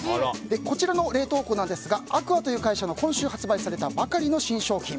こちらの冷凍庫なんですがＡＱＵＡという会社の今週発売されたばかりの新商品。